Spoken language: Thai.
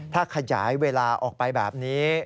ถ้าขยายเวลาออกไปแบบนี้